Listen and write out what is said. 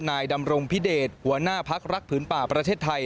นายดำรงพิเดชหัวหน้าพักรักผืนป่าประเทศไทย